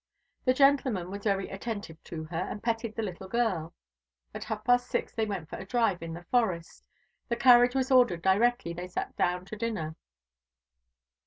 The gentleman was very attentive to her, and petted the little girl. At half past six they went for a drive in the forest. The carriage was ordered directly they sat down to dinner.